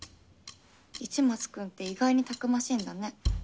市松君って意外にたくましいんだね。